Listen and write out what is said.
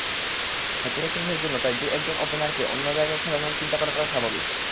হাথুরুসিংহের জন্য তাই দু-একজন ওপেনারকে অন্য জায়গায় খেলানোর চিন্তা করাটাই স্বাভাবিক।